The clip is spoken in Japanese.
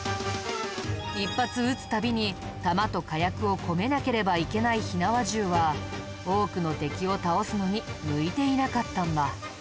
一発撃つ度に弾と火薬を込めなければいけない火縄銃は多くの敵を倒すのに向いていなかったんだ。